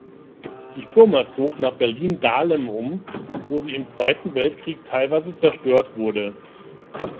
Die Firma zog nach Berlin-Dahlem um, wo sie im Zweiten Weltkrieg teilweise zerstört wurde.